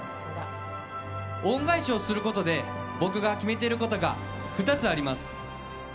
恩返しをすることで僕が決めていることが２つあります。